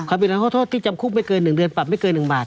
ผิดทางโทษที่จำคุกไม่เกิน๑เดือนปรับไม่เกิน๑บาท